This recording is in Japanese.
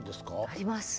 あります。